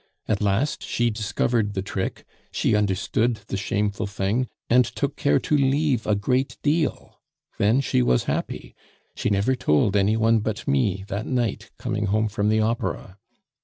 At last she discovered the trick; she understood the shameful thing, and took care to leave a great deal; then she was happy. She never told any one but me, that night, coming home from the opera.